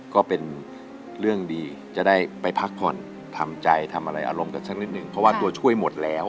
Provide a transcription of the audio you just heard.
ก็เป็นเรื่องดีจะได้ไปพักผ่อนทำใจทำอะไรอารมณ์กันสักนิดนึงเพราะว่าตัวช่วยหมดแล้ว